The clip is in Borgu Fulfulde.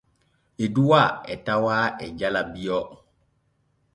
Eduwaa e tawaa e jala Bio.